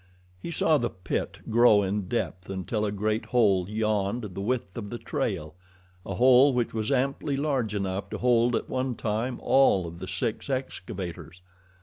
He saw the pit grow in depth until a great hole yawned the width of the trail a hole which was amply large enough to hold at one time all of the six excavators.